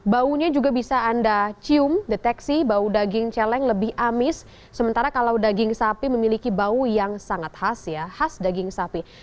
baunya juga bisa anda cium deteksi bau daging celeng lebih amis sementara kalau daging sapi memiliki bau yang sangat khas ya khas daging sapi